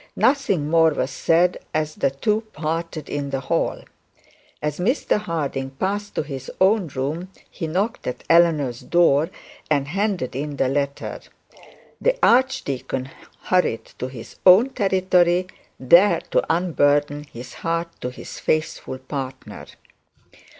Nothing more was said as the two parted in the hall. As Mr Harding passed to his own room, he knocked at Eleanor's door and handed in the letter. The archdeacon hurried to his own territory, there to unburden his heart to his faithful partner.